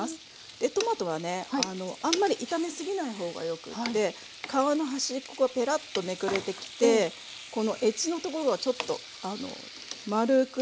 でトマトはねあんまり炒め過ぎない方がよくって皮の端っこがぺらっとめくれてきてこのエッジのところがちょっと丸く。